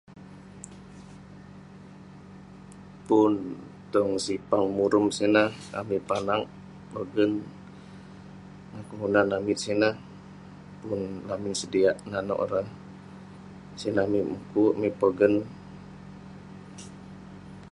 Pun tong sipang murum sineh, amik panak pogen ngan kelunan amik sineh..pun lamin sediak nanouk ireh..sineh amik mukuk, amik pogen..